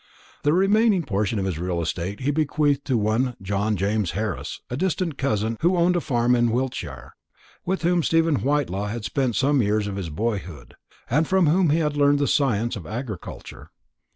The remaining portion of his real estate he bequeathed to one John James Harris, a distant cousin, who owned a farm in Wiltshire, with whom Stephen Whitelaw had spent some years of his boyhood, and from whom he had learned the science of agriculture.